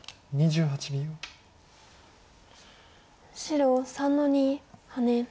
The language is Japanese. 白３の二ハネ。